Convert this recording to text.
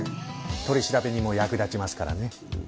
取り調べにも役立ちますからね。